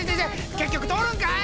結局通るんかい！